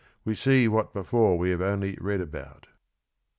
We see what before we have only read about.